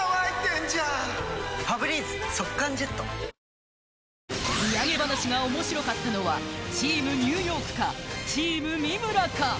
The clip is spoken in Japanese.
ここでが判定みやげ話が面白かったのはチームニューヨークかチーム三村か？